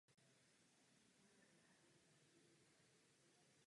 Nejlépe zachovaná sdružená okna jsou ve východní stěně lodi.